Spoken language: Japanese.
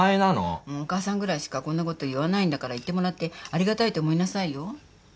お母さんぐらいしかこんなこと言わないんだから言ってもらってありがたいと思いなさいよ。